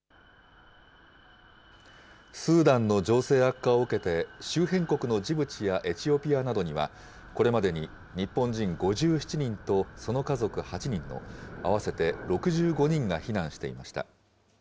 スーダンの情勢悪化を受けて、周辺国のジブチやエチオピアなどには、これまでに日本人５７人とその家族８人の合わせて６５人が避難していました。